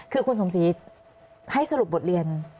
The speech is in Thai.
คือคุณสมศรีให้สรุปบทเรียน